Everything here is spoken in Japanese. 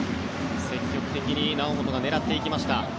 積極的に猶本が狙っていきました。